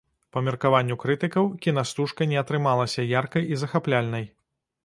Па меркаванню крытыкаў, кінастужка не атрымалася яркай і захапляльнай.